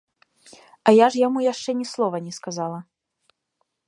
А я ж яму яшчэ ні слова не сказала.